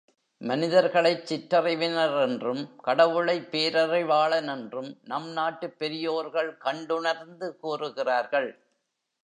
மனிதர்களைச் சிற்றறிவினர் என்றும் கடவுளைப் பேரறிவாளன் என்றும் நம் நாட்டுப் பெரியோர்கள் கண்டுணர்ந்து கூறுகிறார்கள்.